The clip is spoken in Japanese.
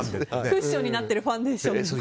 クッションになってるファンデーションです。